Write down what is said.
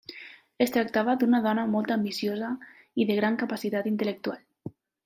Es tractava d'una dona molt ambiciosa i de gran capacitat intel·lectual.